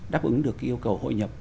đáp ứng được yêu cầu hội nhập